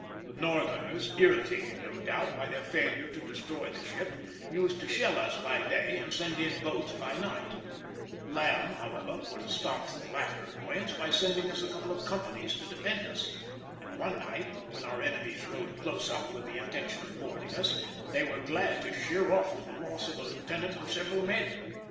The Northerners, irritated, no doubt, by their failure to destroy the ship, used to shell us by day and send in boats by night; Lamb, however, put a stop to the latter annoyance by lending us a couple of companies to defend us, and one night, when our enemies rowed close up with the intention of boarding us, they were glad to sheer off with the loss of a lieutenant and several men.